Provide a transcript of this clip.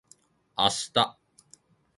明日